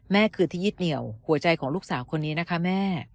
คือที่ยึดเหนียวหัวใจของลูกสาวคนนี้นะคะแม่